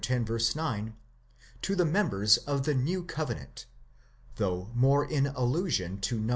9 to the members of the new covenant, though more in allusion to Num.